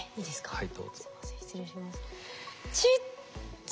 はい。